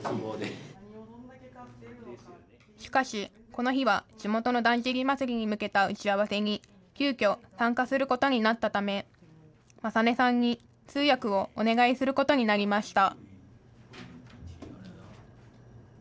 しかし、この日は地元のだんじり祭りに向けた打ち合わせに急きょ参加することになったため理音さんに通訳をお願いすることになりました。